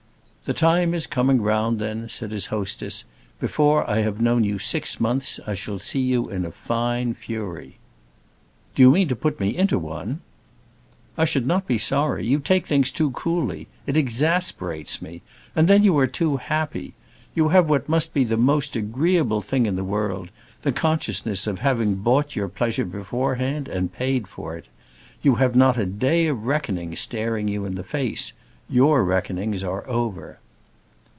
"The time is coming round, then," said his hostess. "Before I have known you six months I shall see you in a fine fury." "Do you mean to put me into one?" "I should not be sorry. You take things too coolly. It exasperates me. And then you are too happy. You have what must be the most agreeable thing in the world, the consciousness of having bought your pleasure beforehand and paid for it. You have not a day of reckoning staring you in the face. Your reckonings are over."